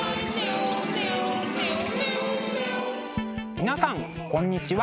皆さんこんにちは。